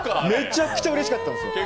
めちゃくちゃうれしかったです。